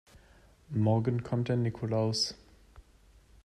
Morgen kommt der Nikolaus.